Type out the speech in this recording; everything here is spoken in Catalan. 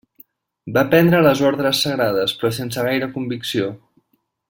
Va prendre les ordres sagrades, però sense gaire convicció.